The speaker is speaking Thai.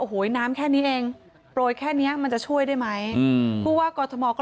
โอ้โหน้ำแค่นี้เองโปรยแค่เนี้ยมันจะช่วยได้ไหมอืมผู้ว่ากอทมก็